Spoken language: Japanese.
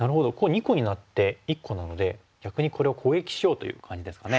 ２個になって１個なので逆にこれを攻撃しようという感じですかね。